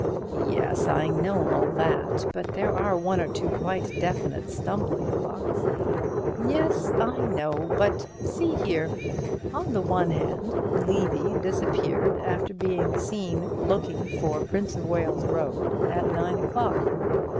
"Yes, I know all that. But there are one or two quite definite stumbling blocks." "Yes, I know. But, see here. On the one hand, Levy disappeared after being last seen looking for Prince of Wales Road at nine o'clock.